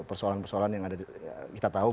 persoalan persoalan yang ada kita tahu